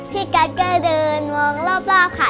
พี่กั๊ดก็เดินมองรอบค่ะ